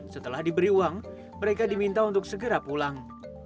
setelah diberi uang mereka diminta untuk segera pulang